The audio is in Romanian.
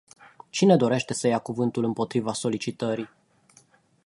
Cine dorește să ia cuvântul împotriva solicitării?